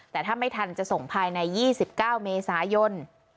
แต่ถ้าไม่ทันจะส่งภายใน๒๙เมษายน